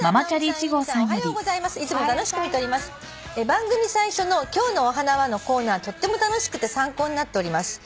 「番組最初の『今日のお花は』のコーナーとっても楽しくて参考になっております」